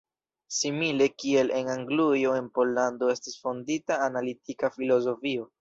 Simile kiel en Anglujo en Pollando estis fondita analitika filozofio.